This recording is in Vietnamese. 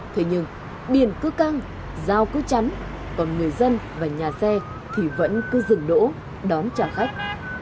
thế nhưng biển cứ căng giao cứ chắn còn người dân và nhà xe thì vẫn cứ dừng đỗ đón trả khách